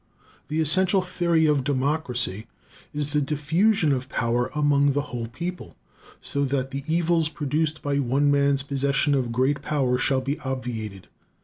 The essential theory of democracy is the diffusion of power among the whole people, so that the evils produced by one man's possession of great power shall be obviated.